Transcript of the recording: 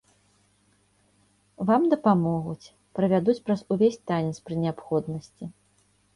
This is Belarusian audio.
Вам дапамогуць, правядуць праз увесь танец пры неабходнасці.